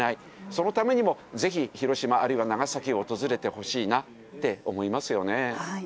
そのためにもぜひ、広島、あるいは長崎を訪れてほしいなって思いますよね。